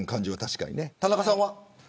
田中さんは。